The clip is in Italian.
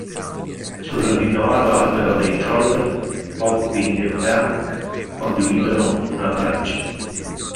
Sul rinnovato albero dei Troll, Poppy e Branch condividono un abbraccio.